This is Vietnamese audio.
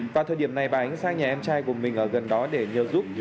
vào thời điểm này bà ánh sang nhà em trai của mình ở gần đó để nhờ giúp